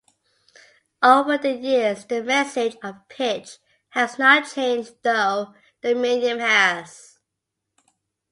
Over the years the message of Pitch has not changed though the medium has.